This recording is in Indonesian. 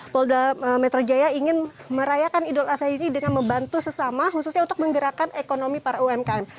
polda metro jaya ingin merayakan idul adha ini dengan membantu sesama khususnya untuk menggerakkan ekonomi para umkm